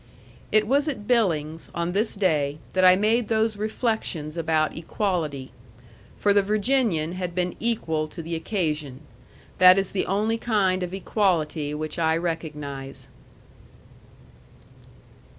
It was at Billings, on this day, that I made those reflections about equality. For the Virginian had been equal to the occasion: that is the only kind of equality which I recognize.